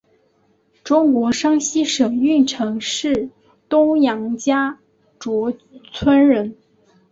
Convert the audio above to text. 中国山西省运城市东杨家卓村人。